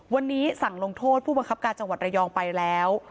วันนี้สั่งลงโทษผู้บังคับการจังหวัดระยองไปแล้ว